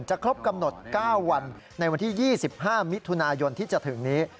ครบกำหนด๙วันในวันที่๒๕มิถุนายนที่จะถึงนี้